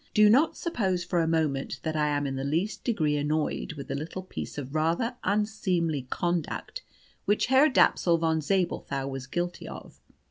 Do not suppose for a moment that I am in the least degree annoyed with the little piece of rather unseemly conduct which Herr Dapsul von Zabelthau was guilty of.